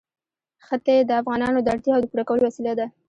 ښتې د افغانانو د اړتیاوو د پوره کولو وسیله ده.